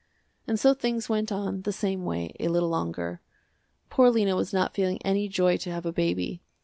And so things went on, the same way, a little longer. Poor Lena was not feeling any joy to have a baby.